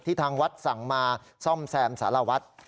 ทางวัดสั่งมาซ่อมแซมสารวัฒน์